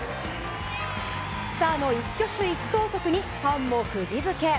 スターの一挙手一投足にファンもくぎ付け。